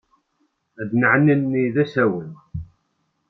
Ad nɛnenni d asawen.